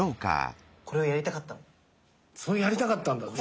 それやりたかったんだ。